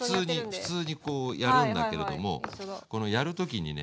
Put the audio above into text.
普通にこうやるんだけれどもこのやる時にね